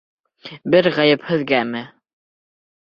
Бер ғәйепһеҙгәме?